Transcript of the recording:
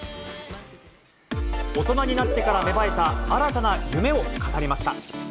大人になってから芽生えた新たな夢を語りました。